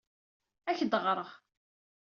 Ad ak-d-ɣreɣ.